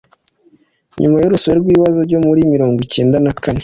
nyuma y'urusobe rw'ibibazo byo muri mirongo icyenda na kane